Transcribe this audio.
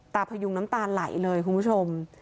พยุงน้ำตาไหลเลยคุณผู้ชม